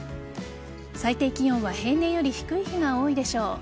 最低気温は平年より低い日が多いでしょう。